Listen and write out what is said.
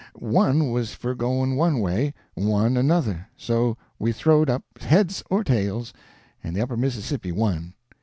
One was for going one way, one another, so we throwed up, heads or tails, and the Upper Mississippi won.